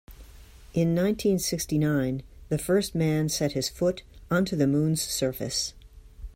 In nineteen-sixty-nine the first man set his foot onto the moon's surface.